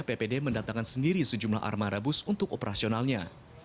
ppd mendatangkan sendiri sejumlah armada bus untuk operasionalnya